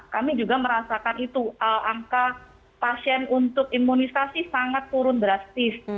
kami juga merasakan itu angka pasien untuk imunisasi sangat turun drastis